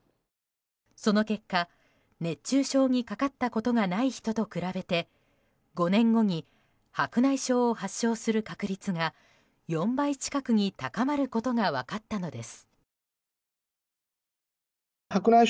その結果、熱中症にかかったことがない人と比べて５年後に白内障を発症する確率が４倍近くに高まることが分かったのです。